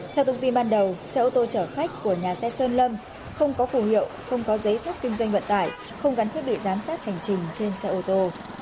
theo thông tin ban đầu xe ô tô chở khách của nhà xe sơn lâm không có phủ hiệu không có giấy phép kinh doanh vận tải không gắn thiết bị giám sát hành trình trên xe ô tô